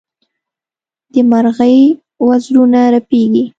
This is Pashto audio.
د مرغۍ وزرونه رپېږي.